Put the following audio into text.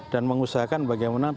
dan mengusahakan bagaimana